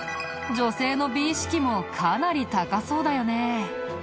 女性の美意識もかなり高そうだよね。